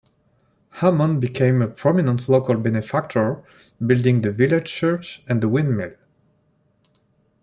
Hammond became a prominent local benefactor, building the village church and the windmill.